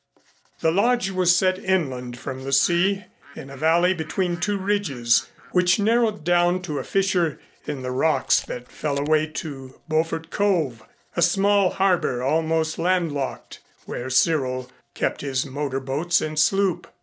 The Lodge was set inland from the sea in a valley between two ridges which narrowed down to a fissure in the rocks that fell away to Beaufort Cove, a small harbor almost land locked where Cyril kept his motor boats and sloop.